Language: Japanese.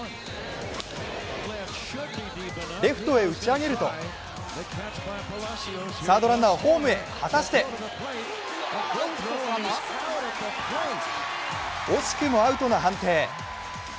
レフトへ打ち上げるとサードランナーホームへ果たして惜しくもアウトの判定。